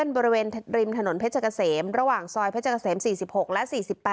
บริเวณริมถนนเพชรเกษมระหว่างซอยเพชรเกษม๔๖และ๔๘